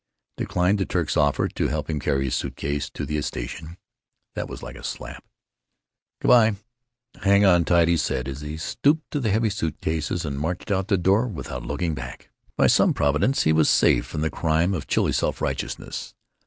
—declined the Turk's offer to help him carry his suit cases to the station. That was like a slap. "Good by. Hang on tight," he said, as he stooped to the heavy suit cases and marched out of the door without looking back. By some providence he was saved from the crime of chilly self righteousness.